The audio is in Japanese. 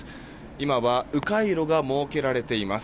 今は迂回路が設けられています。